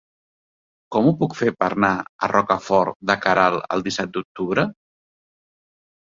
Com ho puc fer per anar a Rocafort de Queralt el disset d'octubre?